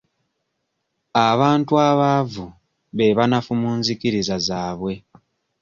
Abantu abaavu be banafu mu nzikiriza zaabwe.